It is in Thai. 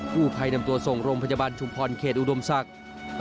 ผู้ภัยนำตัวส่งโรงพยาบาลชุมพรเขตอุดมศักดิ์